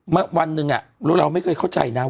เปลี่ยนเนอะ